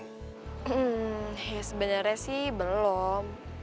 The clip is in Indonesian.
hmm sebenarnya sih belum